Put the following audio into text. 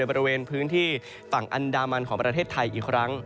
บริเวณพื้นที่ฝั่งอันดามันของประเทศไทยอีกครั้ง